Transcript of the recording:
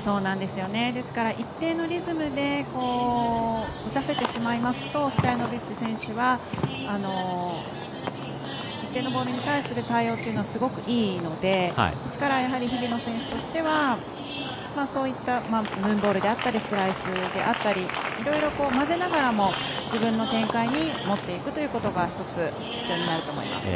ですから一定のリズムで打たせてしまいますとストヤノビッチ選手は一定のボールに対する対応はすごくいいのでですから、日比野選手としてはムーンボールであったりスライスであったりいろいろ交ぜながらも自分の展開に持っていくということが１つ、必要になると思います。